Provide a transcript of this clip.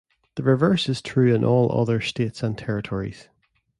The reverse is true in all other states and territories.